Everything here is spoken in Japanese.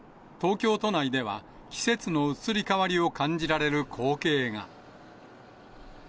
東京都内では、季節の移り変わりを感じられる光景が。